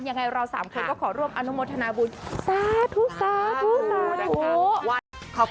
อย่างไรเราสามคนก็ขอรวมอนุโมทนาบุญ